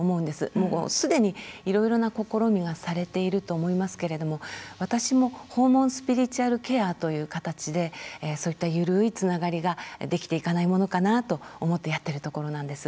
もうすでにいろいろな試みがされていると思いますけれども私も訪問スピリチュアルケアという形でそういった緩いつながりができていないかなと思って思ってやっているところなんです。